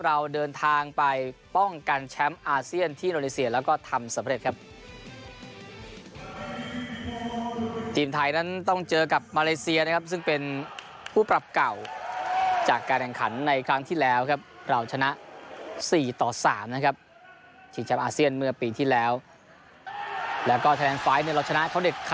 เราเดินทางไปป้องกันแชมพ์อาเซียนที่โนเรซียแล้วก็